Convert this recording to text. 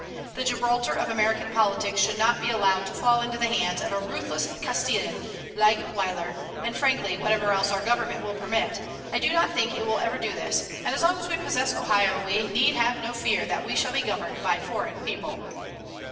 The Gibraltar of American politics should not be allowed to fall into the hands of a ruthless Castilian like Weyler, and, frankly, whatever else our government will permit, I do not think it will ever do this, and as long as we possess Ohio we need have no fear that we shall be governed by foreign people.